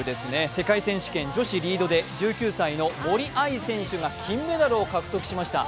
世界選手権女子リードで１９歳の森秋彩選手が金メダルを獲得しました。